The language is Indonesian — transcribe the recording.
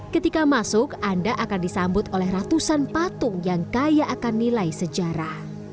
ketika masuk anda akan disambut oleh ratusan patung yang kaya akan nilai sejarah